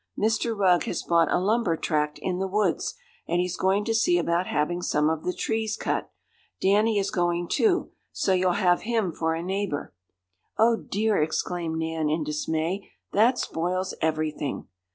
Mr. Rugg has bought a lumber tract in the woods, and he's going to see about having some of the trees cut. Danny is going, too. So you'll have him for a neighbor." "Oh, dear!" exclaimed Nan, in dismay. "That spoils everything!"